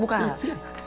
buka rat buka